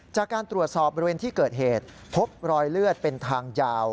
จากการตรวจสอบบริเวณที่เกิดเหตุพบรอยเลือดเป็นทางยาว